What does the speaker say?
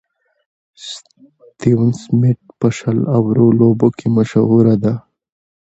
ستيون سميټ په شل اورو لوبو کښي مشهوره ده.